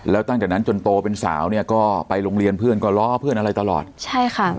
แล้วตั้งแต่นั้นจนโตเป็นสาวเนี่ยก็ไปโรงเรียนเพื่อนก็ล้อเพื่อนอะไรตลอดใช่ค่ะ